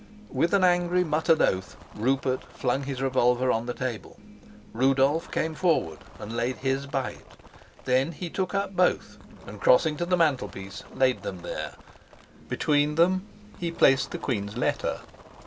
With an angry muttered oath Rupert flung his revolver on the table. Rudolf came forward and laid his by it. Then he took up both, and, crossing to the mantelpiece, laid them there; between there he placed the queen's letter.